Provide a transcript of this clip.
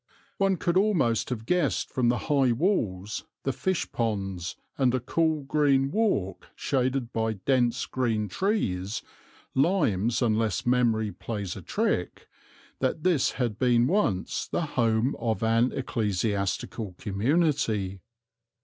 One could almost have guessed from the high walls, the fish ponds, and a cool green walk shaded by dense green trees, limes unless memory plays a trick, that this had been once the home of an ecclesiastical community.